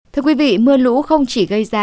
thưa quý vị mưa lũ không chỉ gây ra